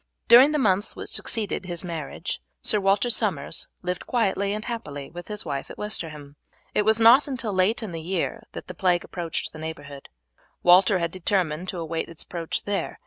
During the months which succeeded his marriage Sir Walter Somers lived quietly and happily with his wife at Westerham. It was not until late in the year that the plague approached the neighbourhood. Walter had determined to await its approach there.